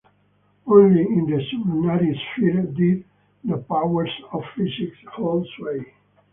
Only in the sublunary sphere did the powers of physics hold sway.